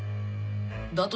だと